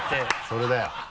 それだよ。